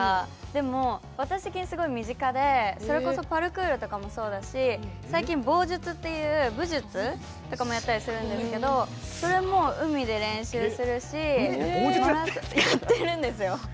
でも、私的にすごい身近でそれこそパルクールもそうだし最近、棒術っていう武術とかもやったりするんですけどそれも海で練習するし。